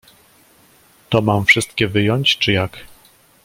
To mam wszystkie wyjąć, czy jak?